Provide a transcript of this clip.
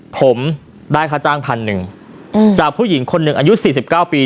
ผมได้ค่าจ้างพันหนึ่งจากผู้หญิงคนหนึ่งอายุสี่สิบเก้าปี